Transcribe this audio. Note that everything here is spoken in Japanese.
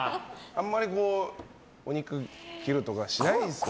あんまりお肉切るとかしないですかね。